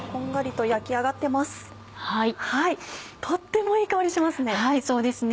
とってもいい香りしますね。